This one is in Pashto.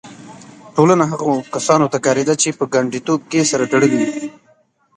ټولنه هغو کسانو ته کارېده چې په ګانډیتوب کې سره تړلي وي.